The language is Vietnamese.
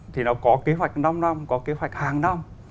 thì nó có kế hoạch năm năm có kế hoạch hàng năm